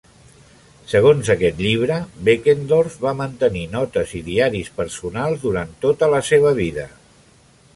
Segons aquest llibre, Benckendorff va mantenir notes i diaris personals durant tota la seva vida.